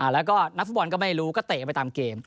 แล้วก็นักฟุตบอลก็ไม่รู้ก็เตะกันไปตามเกม